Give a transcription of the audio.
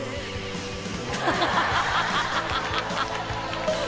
ハハハハハ！